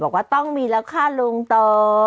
บอกว่าต้องมีแล้วค่ะลุงต่อ